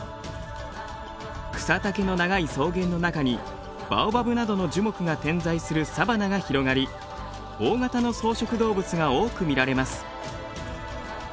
草丈の長い草原の中にバオバブなどの樹木が点在するサバナが広がり大型の草食動物が多く見られます。